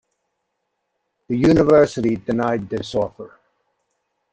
The university denied this offer.